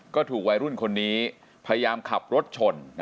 ก็ถูกวัยรุ่นคนนี้พยายามขับรถชน